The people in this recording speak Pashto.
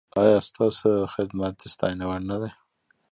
ایا ستاسو خدمت د ستاینې وړ نه دی؟